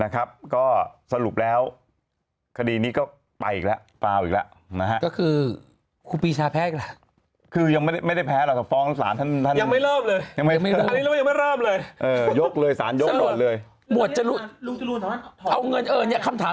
ก็สรุปแล้วผสมคดีนี้ก็ไปอีกแล้วเบ้าอีกแล้ว